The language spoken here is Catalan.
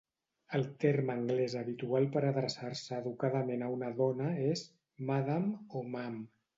El terme anglès habitual per adreçar-se educadament a una dona és "Madam" o "Ma'am".